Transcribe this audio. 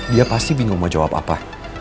dia pasti bingung mau jawab apa